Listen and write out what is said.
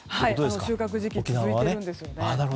収穫時期続いているんですよね。